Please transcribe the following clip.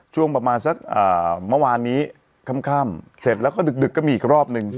ช่วงประมาณสักเมื่อวานนี้ค่ำเสร็จแล้วก็ดึกก็มีอีกรอบนึง